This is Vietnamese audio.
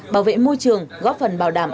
bảo vệ môi trường góp phần bảo đảm